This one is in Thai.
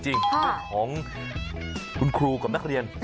เรื่องของคุณครูกับนักเรียน